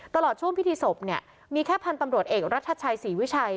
ตลอดช่วงพิธีศพเนี่ยมีแค่พันธุ์ตำรวจเอกรัฐชัยศรีวิชัย